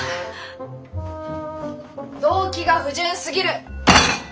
動機が不純すぎる！